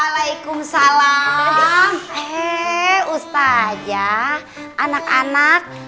rumahnya serem tenang ya bang